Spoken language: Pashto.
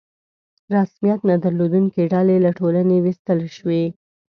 رسمیت نه درلودونکي ډلې له ټولنې ویستل شول.